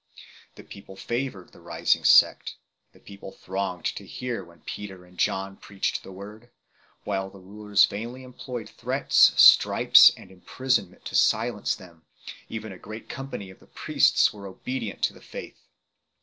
The people favoured the rising sect; the people thronged to hear when Peter and John preached the Word, while ,t&e rulers vainly employed threats, stripes and imprisonment to silence them ; even a great company of the priests were obedient to the faith 3